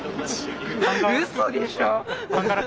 うそでしょ？